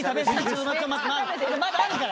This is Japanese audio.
まだあるから！